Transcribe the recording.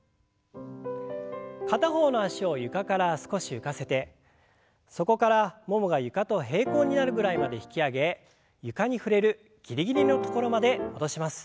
片方の脚を床から少し浮かせてそこからももが床と平行になるぐらいまで引き上げ床に触れるギリギリの所まで戻します。